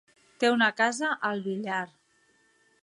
Té una casa al Villar.